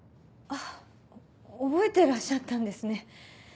覚えてらっしゃったんですね。